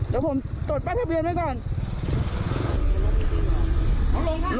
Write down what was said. เดี๋ยวผมตดปรับทะเบียนไว้เกิน